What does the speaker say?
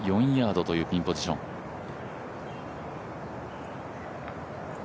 今日は右４ヤードというピンポジション。